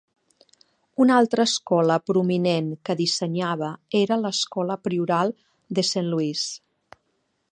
Una altra escola prominent que dissenyava era l'escola Prioral de Saint Louis.